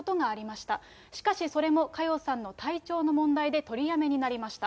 しかし、それも佳代さんの体調の問題で取りやめになりました。